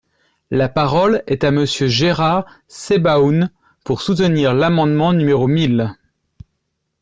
La parole est à Monsieur Gérard Sebaoun, pour soutenir l’amendement numéro mille.